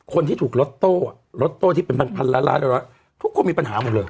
คนที่ถูกรถโต้รถโต้ที่เป็นพันล้านทุกคนมีปัญหาหมดเลย